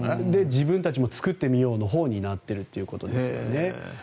自分たちも作ってみようのほうになっているということですね。